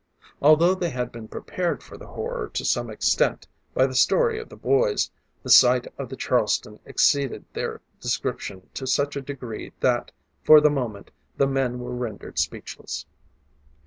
Although they had been prepared for the horror to some extent by the story of the boys, the sight on the Charleston exceeded their description to such a degree that, for the moment, the men were rendered speechless.